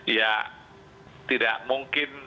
ya tidak mungkin